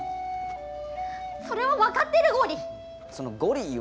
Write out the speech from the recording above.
「それは分かってるゴリ」。